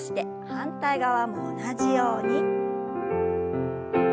反対側も同じように。